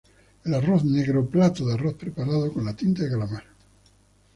El arroz negro plato de arroz preparado con la tinta de calamar.